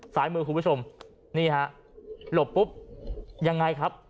ซ้ายมือคุณผู้ชมนี่ฮะหลบปุ๊บยังไงครับ